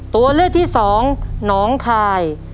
ตัวเลือกที่สองหนองคาย